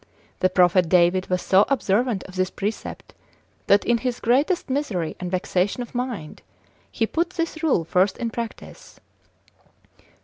The prophet David was so observant of this precept, that in his greatest misery and vexation of mind, he put this rule first in practice.